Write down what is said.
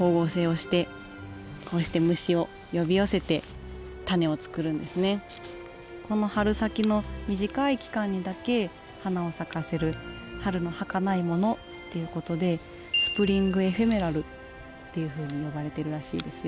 カタクリのように背丈が低い草花にとっては今この春先の短い期間にだけ花を咲かせる「春のはかないもの」っていうことで「スプリング・エフェメラル」っていうふうに呼ばれてるらしいですよ。